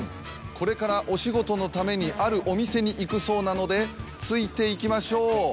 これからお仕事のためにあるお店に行くそうなのでついていきましょう。